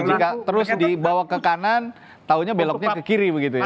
jika terus dibawa ke kanan taunya beloknya ke kiri begitu ya